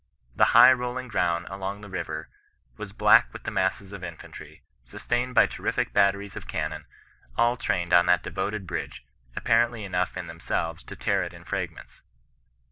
The high rolling ground along the river was black with ihe masses of infantry, sustained by terrific batteries of cannon, all trained on that devoted bridge, apparently enough in themselves to tear it in fragments.